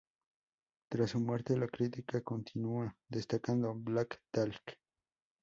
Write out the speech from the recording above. Tras su muerte, la crítica continúa destacando "Black Talk!